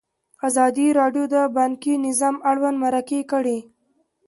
ازادي راډیو د بانکي نظام اړوند مرکې کړي.